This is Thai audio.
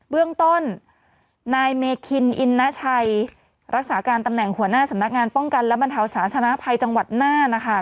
เบื้องต้นนายเมคินอินนาชัยรักษาการตำแหน่งหัวหน้าสำนักงานป้องกันและบรรเทาสาธารณภัยจังหวัดน่านนะคะ